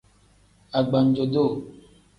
Agbanjo-duu.